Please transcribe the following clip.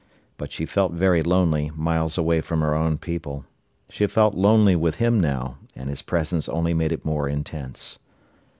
But she felt very lonely, miles away from her own people. She felt lonely with him now, and his presence only made it more intense.